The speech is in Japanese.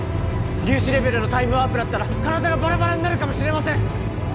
粒子レベルのタイムワープだったら体がバラバラになるかもしれません！